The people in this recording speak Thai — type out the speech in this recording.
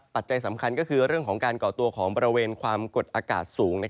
ปัจจัยสำคัญก็คือเรื่องของการก่อตัวของบริเวณความกดอากาศสูง